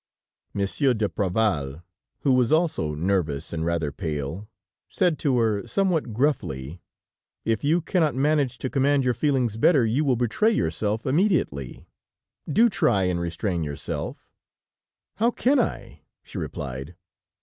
Monsieur d'Apreval, who was also nervous and rather pale, said to her somewhat gruffly: "If you cannot manage to command your feelings better, you will betray yourself immediately. Do try and restrain yourself." "How can I?" she replied.